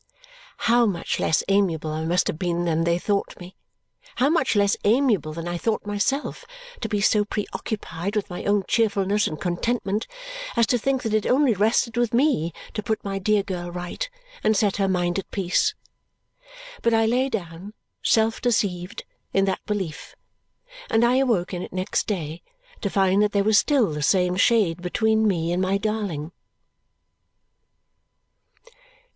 How much less amiable I must have been than they thought me, how much less amiable than I thought myself, to be so preoccupied with my own cheerfulness and contentment as to think that it only rested with me to put my dear girl right and set her mind at peace! But I lay down, self deceived, in that belief. And I awoke in it next day to find that there was still the same shade between me and my darling.